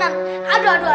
aduh ada kejadiannya